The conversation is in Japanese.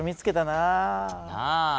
なあ。